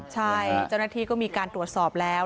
ใช่เจ้าหน้าที่ก็มีการตรวจสอบแล้ว